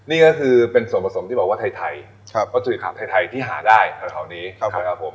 นี่ก็คือเป็นส่วนผสมที่บอกว่าไทยไทยครับวัตถุดิบขาดไทยไทยที่หาได้ครับครับผมครับครับผม